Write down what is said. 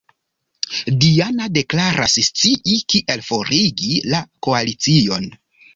Diana deklaras scii kiel forigi la Koalicion.